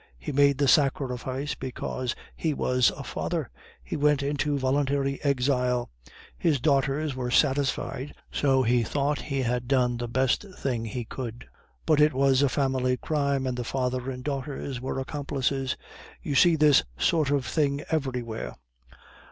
He made the sacrifice because he was a father; he went into voluntary exile. His daughters were satisfied, so he thought that he had done the best thing he could; but it was a family crime, and father and daughters were accomplices. You see this sort of thing everywhere.